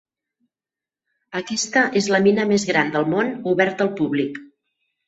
Aquesta és la mina més gran del món oberta al públic.